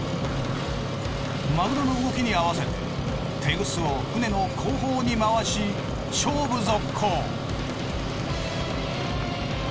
マグロの動きに合わせてテグスを船の後方に回し勝負続行。